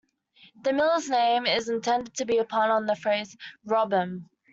The Miller's name is intended as a pun on the phrase "rob 'em".